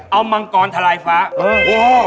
เอามังกรทะลายฟ้า